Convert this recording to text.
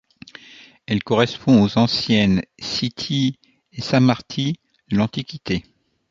Elle correspond aux anciennes Scythie et Sarmatie de l'Antiquité.